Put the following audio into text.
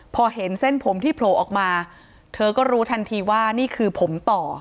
พอเห็นเส้นผมที่โผล่ออกมาเธอก็รู้ทันทีว่านี่คือผมต่อ